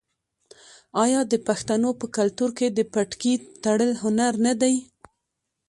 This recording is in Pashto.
آیا د پښتنو په کلتور کې د پټکي تړل هنر نه دی؟